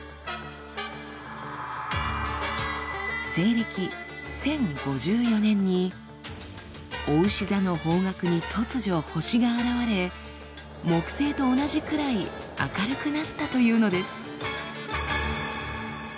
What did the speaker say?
西暦１０５４年におうし座の方角に突如星が現れ木星と同じくらい明るくなったというのです。